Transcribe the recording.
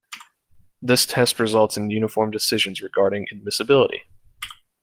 This test results in uniform decisions regarding admissibility.